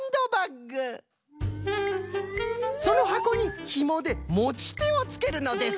そのはこにひもでもちてをつけるのです。